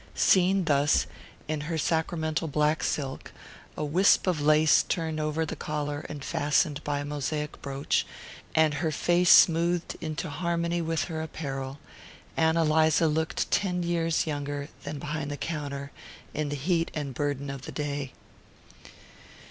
Seen thus, in her sacramental black silk, a wisp of lace turned over the collar and fastened by a mosaic brooch, and her face smoothed into harmony with her apparel, Ann Eliza looked ten years younger than behind the counter, in the heat and burden of the day.